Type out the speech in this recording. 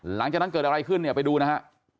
หลังจากนั้นเกิดอะไรขึ้นเนี่ยไปดูนะฮะ